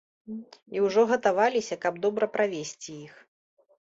І ўжо гатаваліся, каб добра правесці іх.